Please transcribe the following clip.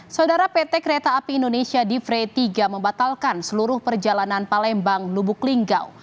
saudara pt kereta api indonesia divre tiga membatalkan seluruh perjalanan palembang lubuk linggau